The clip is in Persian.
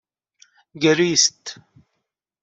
گریست